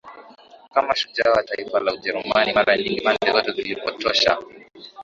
kama shujaa wa taifa la Ujerumani Mara nyingi pande zote zilipotosha